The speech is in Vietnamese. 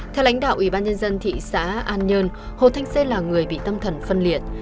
theo lãnh đạo ủy ban nhân dân thị xã an nhơn hồ thanh xê là người bị tâm thần phân liệt